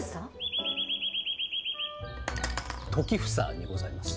時房にございます。